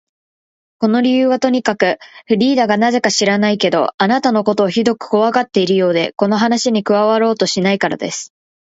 その理由はとくに、フリーダがなぜか知らないけれど、あなたのことをひどくこわがっているようで、この話に加わろうとしないからです。